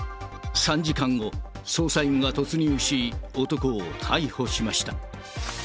３時間後、捜査員が突入し、男を逮捕しました。